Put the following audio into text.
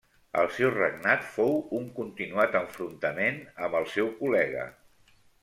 El seu regnat fou un continuat enfrontament amb el seu col·lega.